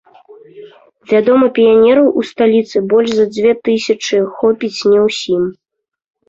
Вядома, піянераў у сталіцы больш за дзве тысячы, хопіць не ўсім.